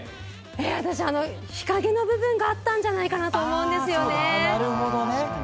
私、あの日陰の部分があったんじゃないかなと思うんですよね。